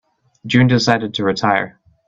June decided to retire.